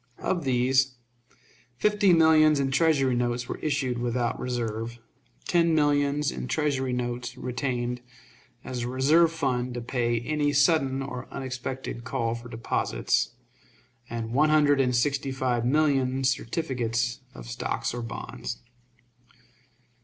Of these, fifty millions in Treasury notes were issued without reserve, ten millions in Treasury notes retained as a reserve fund to pay any sudden or unexpected call for deposits, and one hundred and sixty five millions certificates of stock or bonds.